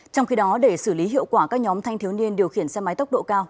trong khi đó để xử lý hiệu quả các nhóm thanh thiếu niên điều khiển xe máy tốc độ cao